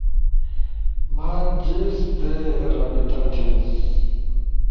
ما جیز دے رابطہ تھیم؟